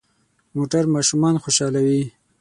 موټر ماشومان خوشحالوي.